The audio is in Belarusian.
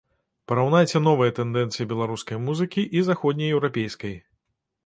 Параўнайце новыя тэндэнцыі беларускай музыкі і заходнееўрапейскай.